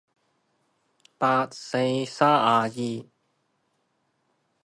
剩係見過人哋打街機有真鼓